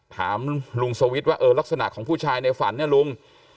ถามลุงสวิทย์ว่าเออลักษณะของผู้ชายในฝันเนี่ยลุง